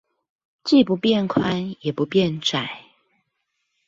既不變寬，也不變窄？